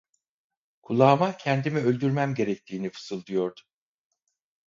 Kulağıma kendimi öldürmem gerektiğini fısıldıyordu.